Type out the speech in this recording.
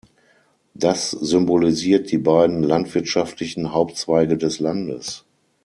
Das symbolisiert die beiden landwirtschaftlichen Hauptzweige des Landes.